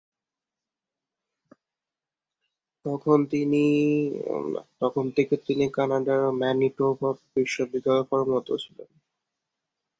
তখন থেকে তিনি কানাডার ম্যানিটোবা বিশ্ববিদ্যালয়ে কর্মরত আছেন।